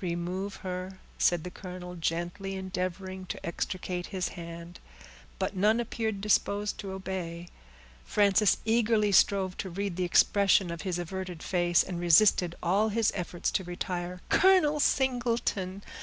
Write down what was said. "Remove her," said the colonel, gently endeavoring to extricate his hand; but none appeared disposed to obey. Frances eagerly strove to read the expression of his averted face, and resisted all his efforts to retire. "Colonel Singleton!